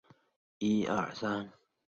渥太华条约。